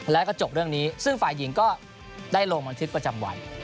แล้วก็จบเรื่องนี้ซึ่งฝ่ายหญิงก็ได้ลงบันทึกประจำวัน